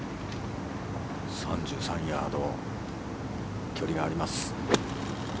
３３ヤード距離があります。